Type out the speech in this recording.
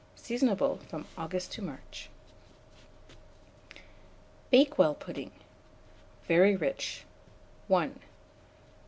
Seasonable from August to March. BAKEWELL PUDDING. (Very Rich.) I.